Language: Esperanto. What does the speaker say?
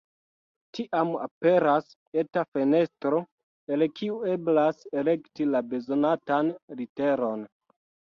Tiam aperas eta fenestro, el kiu eblas elekti la bezonatan literon.